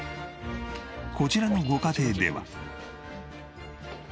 こちらのご家庭では。